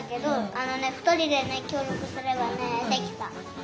あのねふたりでねきょうりょくすればねできた。